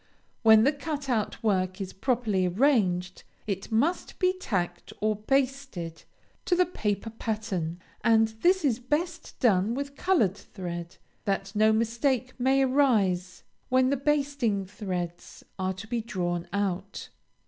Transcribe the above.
When the cut out work is properly arranged, it must be tacked or basted to the paper pattern; and this is best done with colored thread, that no mistake may arise when the basting threads are to be drawn out.